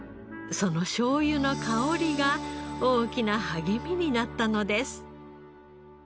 そのしょうゆの香りが大きな励みになったのです。